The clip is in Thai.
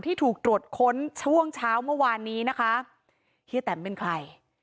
ที่ถูกตรวจค้นช่วงเช้าเมื่อวานนี้นะคะเฮียแตมเป็นใคร